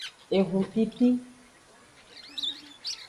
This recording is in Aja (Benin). Ehupipi.